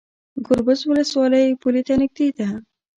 ګربز ولسوالۍ پولې ته نږدې ده؟